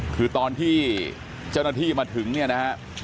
คือตอนที่เจ้าหน้าที่มาถึงเนี่ยนะฮะ